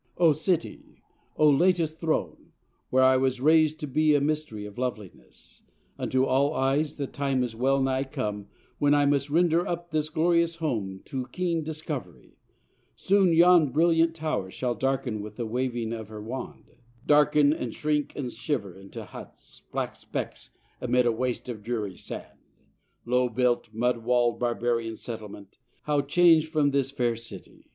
Oh City! Oh latest Throne! where I was rais'd To be a mystery of loveliness Unto all eyes, the time is well nigh come When I must render up this glorious home To keen Discovery: soon yon brilliant towers Shall darken with the waving of her wand; Darken, and shrink and shiver into huts, Black specks amid a waste of dreary sand, Low built, mud walled, Barbarian settlement, How chang'd from this fair City!'